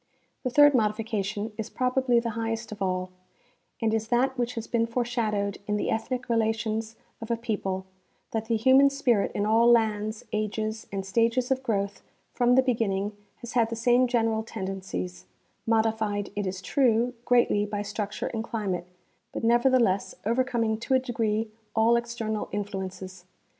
The third modification is probably the highest of all, and is that which has been foreshadowed in the ethnic relations of a peo^jle ; that the human spirit in all lands, ages, and stages of growth from the beginning has had the same general tendencies, modified, it is true, greatly by structure and climate, but never theless overcoming to a degree all external influences.